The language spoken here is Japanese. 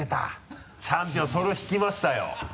チャンピオンそれを引きましたよ。